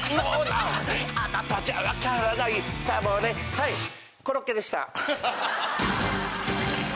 はいコロッケでした。